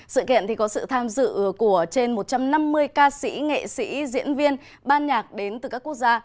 sự kiện có sự tham dự của trên một trăm năm mươi ca sĩ nghệ sĩ diễn viên ban nhạc đến từ các quốc gia